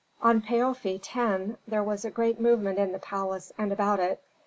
On Paofi 10 there was a great movement in the palace and about it.